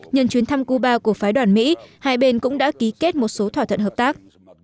nhân chuyến thăm cuba của phái đoàn mỹ hai bên cũng đã ký kết một số thỏa thuận hợp tác